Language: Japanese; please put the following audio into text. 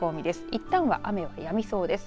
いったんは雨はやみそうです。